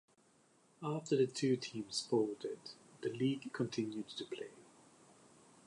After the two teams folded the league continued play.